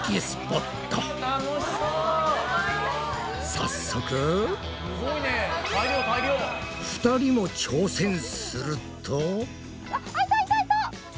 早速２人も挑戦すると。